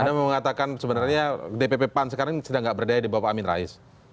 anda mau mengatakan sebenarnya dpp pan sekarang ini sedang tidak berdaya di bawah pak amin rais